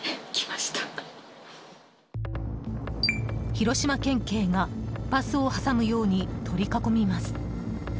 広島県警がバスを挟むように取り囲みます。